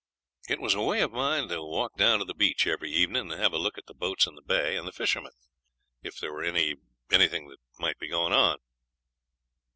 It was a way of mine to walk down to the beach every evening and have a look at the boats in the bay and the fishermen, if there were any anything that might be going on.